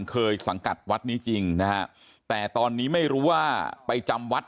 สังกัดวัดนี้จริงนะฮะแต่ตอนนี้ไม่รู้ว่าไปจำวัด